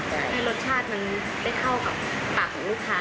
ให้รสชาติมันได้เข้ากับปากของลูกค้า